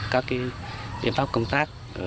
các điểm tóc công tác